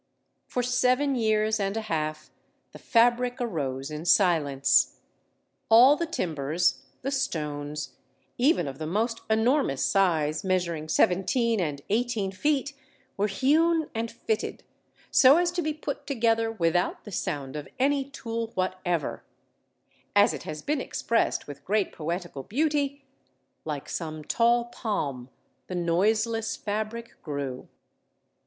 For seven years and a half the fabric arose in silence. All the timbers, the stones, even of the most enormous size, measuring seventeen and eighteen feet, were hewn and fitted, so as to be put together without the sound of any tool whatever; as it has been expressed, with great poetical beauty: "Like some tall palm the noiseless fabric grew."